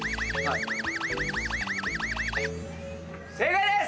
正解です！